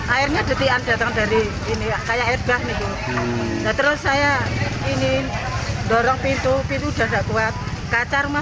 airnya detik anda dari ini saya erbah itu saya ini dorong pintu pintu tidak kuat kaca rumah